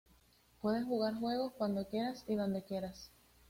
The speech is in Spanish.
Puedes jugar juegos cuando quieras y donde quieras.